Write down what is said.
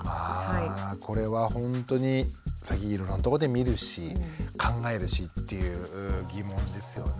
あこれはほんとに最近いろんなとこで見るし考えるしっていう疑問ですよね。